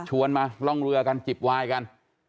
มาร่องเรือกันจิบวายกัน